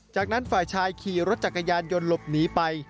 จากนั้นฝ่ายชายขี่รถจักรยานยนต์หลบหนีไป